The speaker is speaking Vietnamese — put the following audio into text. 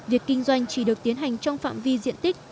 việc kinh doanh chỉ được tiến hành trong phạm vi diện tích